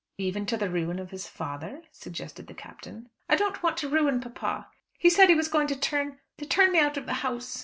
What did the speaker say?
"Even to the ruin of his father," suggested the Captain. "I don't want to ruin papa. He said he was going to turn to turn me out of the house.